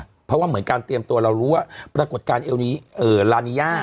เพราะว่าเหมือนการเตรียมตัวเรารู้ว่าปรากฏการณ์เอลลานีย่า